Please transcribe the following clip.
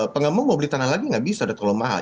pengembang mau beli tanah lagi nggak bisa udah terlalu mahal